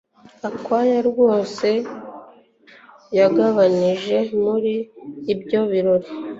Gakwaya rwose yagabanije muri ibyo birori